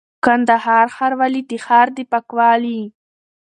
:کندهار ښاروالي د ښار د پاکوالي،